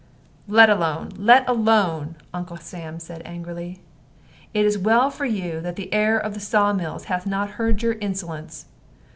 "Let alone, let alone," Uncle Sam said, angrily. "It is well for you that the 'heir of the saw mills' hath not heard your insolence.